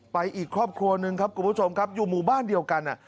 อีกครอบครัวหนึ่งครับคุณผู้ชมครับอยู่หมู่บ้านเดียวกัน